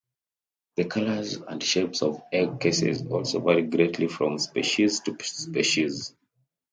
The colours and shapes of egg cases also vary greatly from species to species.